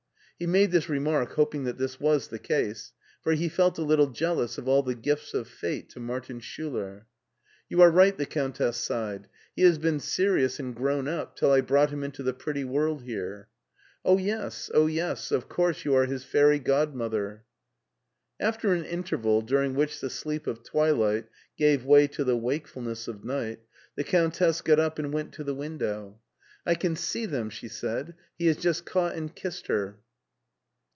*' He made this remaric hoping that this was the case, for he felt a little jealous of all the gifts of fate to Martin Schuler. You are right, the Countess sighed ;" he has been serious and grown up till I brought him into the pretty world here. *' Oh, yes, oh, yes, of course you are his fairy god mother !After an interval^ during which the sleep of twilight gave way to the wiakefulness of night, the Countess got up and went to the window. BERLIN 193 "I can sec them," she said; "he has just caught and kissed her."